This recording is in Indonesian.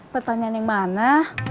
pertanyaan yang mana